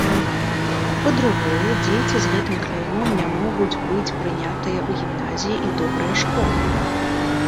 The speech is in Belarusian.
Па-другое, дзеці з гэтым кляймом не могуць быць прынятыя ў гімназіі і добрыя школы.